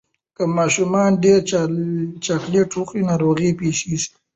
که ماشومان ډیر چاکلېټ وخوري، ناروغي پېښېږي.